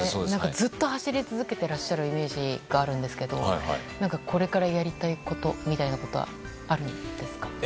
ずっと走り続けてらっしゃるイメージがあるんですけどこれからやりたいことみたいなことはあるんですか？